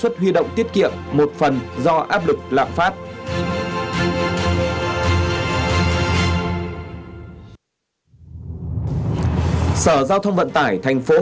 thì với cái